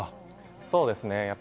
そうですね。